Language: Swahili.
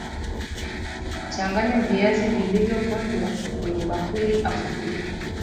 Changanya viazi vilivyopondwa kwenye bakuli au sufuria